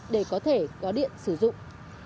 để có thể có điện sử dụng